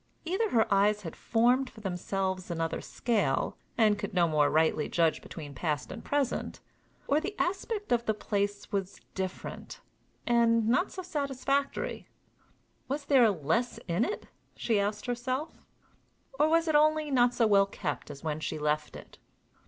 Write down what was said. Either her eyes had formed for themselves another scale, and could no more rightly judge between past and present, or the aspect of the place was different, and not so satisfactory. Was there less in it? she asked herself or was it only not so well kept as when she left it?